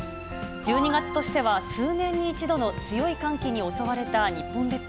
１２月としては数年に一度の強い寒気に襲われた日本列島。